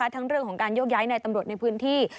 ทั้งเรื่องของการโยกย้ายในตำรวจในพื้นที่